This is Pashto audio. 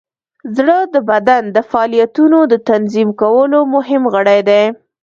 زړه د بدن د فعالیتونو د تنظیم کولو مهم غړی دی.